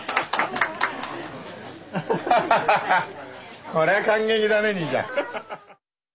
ハハハハこりゃ感激だね兄ちゃん。